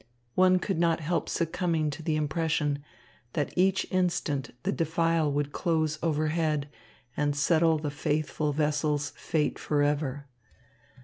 One could not help succumbing to the impression that each instant the defile would close overhead and settle the faithful vessel's fate forever.